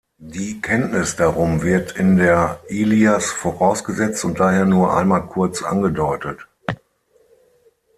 Die Kenntnis darum wird in der Ilias vorausgesetzt und daher nur einmal kurz angedeutet.